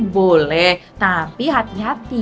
boleh tapi hati hati